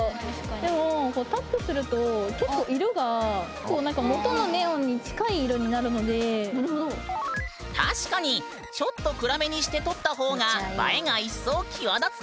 でも結構色が確かにちょっと暗めにして撮った方が映えが一層際立つね！